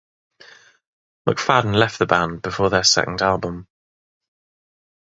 McFadden left the band before their second album.